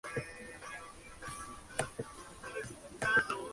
Con el khan de su lado, obligaron a Jmelnitski a iniciar negociaciones de paz.